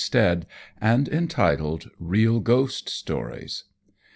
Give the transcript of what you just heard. T. Stead, and entitled "Real Ghost Stories."